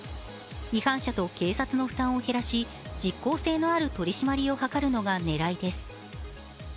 違反者と警察の負担を減らし実効性のある取り締まりを図るのが狙いです。